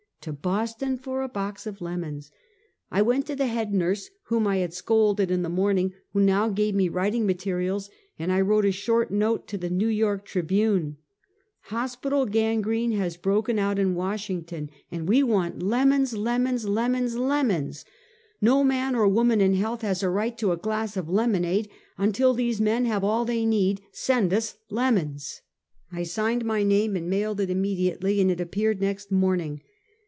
" To Boston for a box of lemons !" I went to the head nurse vv^hom I had scolded in the morning, who now gave me writing materials, and I wrote a short note to the ]^ew Yorlv Tribune :" Hospital gangrene has broken out in Washington, and we want lemons! lemons! lesions! LEMONS! 1^0 man or woman in health, has a right to a glass of lemonade until these men have all they need; send us lemons !" I signed my name and mailed it immediately, and it appeared next morning.